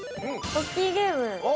ポッキーゲーム。